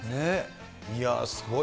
いやー、すごい。